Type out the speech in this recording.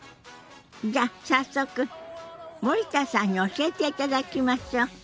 じゃあ早速森田さんに教えていただきましょう。